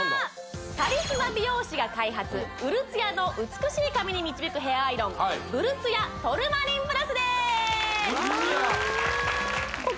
カリスマ美容師が開発うるツヤの美しい髪に導くヘアアイロンぶるツヤトルマリンプラスですぶるツヤ